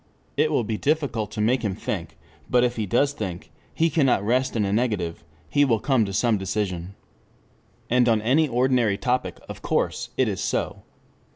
It will be difficult to make him think, but if he does think, he cannot rest in a negative, he will come to some decision. And on any ordinary topic, of course, it is so.